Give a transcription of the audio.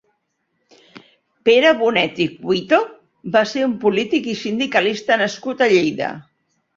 Pere Bonet i Cuito va ser un polític i sindicalista nascut a Lleida.